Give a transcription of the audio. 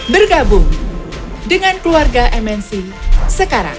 bergabung dengan keluarga mnc sekarang